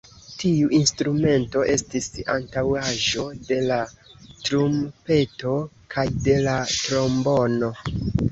Tiu instrumento estis antaŭaĵo de la trumpeto kaj de la trombono.